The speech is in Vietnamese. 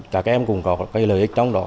các em cũng có cái lợi ích trong đó